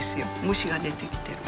虫が出てきてる。